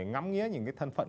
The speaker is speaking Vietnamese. ngắm nghĩa những cái thân phận